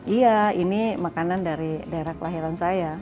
iya ini makanan dari daerah kelahiran saya